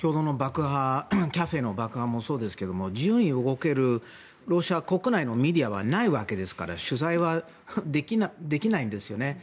カフェの爆破もそうですけど自由に動けるロシア国内のメディアはないわけですから取材はできないんですよね。